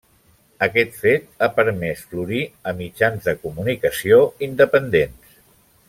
Aquest fet ha permès florir a mitjans de comunicació independents.